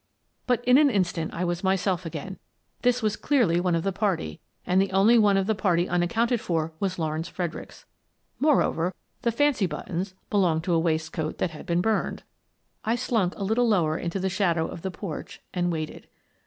But in an instant I was myself again. This was clearly one of the party, and the only one of the party unaccounted for was Lawrence Fredericks. Moreover, the fancy buttons belonged to a waist coat that had been burned. I slunk a little lower into the shadow of the porch and waited.